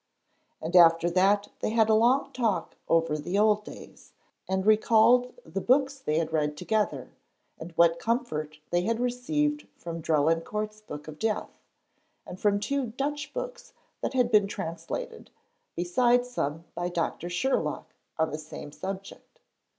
After that they had a long talk over the old days, and recalled the books they had read together, and what comfort they had received from Drelincourt's Book of Death, and from two Dutch books that had been translated, besides some by Dr. Sherlock on the same subject.